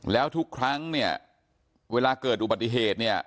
แล้วทุกครั้งเนี่ยเวลาเกิดอุบัติเหตุเนี่ย